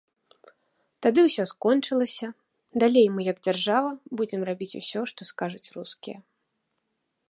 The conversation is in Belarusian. Тады ўсё скончылася, далей мы як дзяржава будзем рабіць усё, што скажуць рускія.